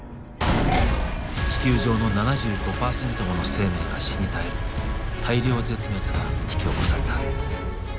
地球上の７５％もの生命が死に絶える大量絶滅が引き起こされた。